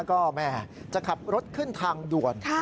ก็แม่จะขับรถขึ้นทางด่วน